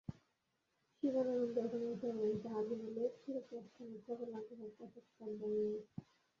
শিবানন্দ এখানে আছেন এবং আমি তাহার হিমালয়ে চিরপ্রস্থানের প্রবল আগ্রহ কতকটা দমাইয়াছি।